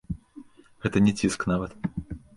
Гэта не ціск нават.